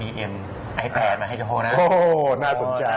โอ้โฮน่าสนใจน่าสนใจ